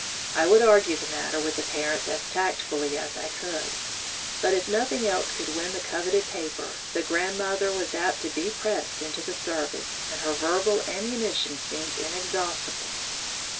I would argue the matter with the parents as tactfully as I could; but if nothing else could win the coveted paper, the grandmother was apt to be pressed into the service, and her verbal ammunition seemed inexhaustible.